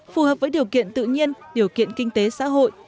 phù hợp với điều kiện tự nhiên điều kiện kinh tế xã hội